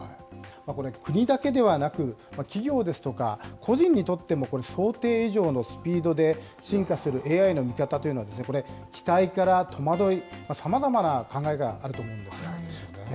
これ、国だけではなく、企業ですとか、個人にとっても、これ想定以上のスピードで進化するＡＩの見方というのは、期待から戸惑い、さまざまな考えがあると思うんです。